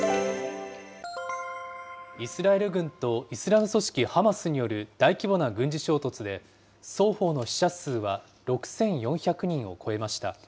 イスラエル軍とイスラム組織ハマスによる大規模な軍事衝突で、双方の死者数は６４００人を超えました。